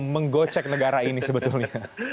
menggocek negara ini sebetulnya